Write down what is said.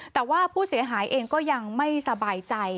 แต่ว่าผู้เสียหายเองก็ยังไม่สบายใจ